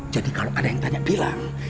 jadi kalau ada yang tanya bilang